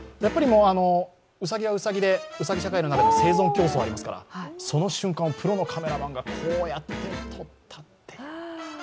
うさぎはうさぎで、うさぎ社会の中で生存競争がありますから、その瞬間をプロのカメラマンがこうやって撮ったと。